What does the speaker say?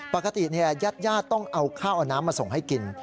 ปกติเนี่ยญาติย่าต้องเอาข้าวอ่อนน้ำมาส่งให้กิน